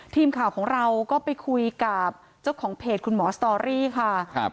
ทีมข่าวของเราก็ไปคุยกับเจ้าของเพจคุณหมอสตอรี่ค่ะครับ